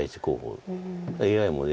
ＡＩもＡ。